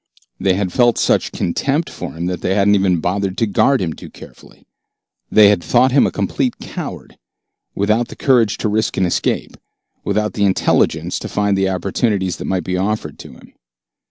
They had felt such contempt for him that they hadn't even bothered to guard him too carefully. They had thought him a complete coward, without the courage to risk an escape, without the intelligence to find the opportunities that might be offered to him.